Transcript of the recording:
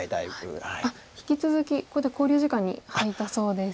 引き続きここで考慮時間に入ったそうです。